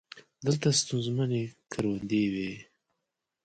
دلته ستونزمنې کروندې وې.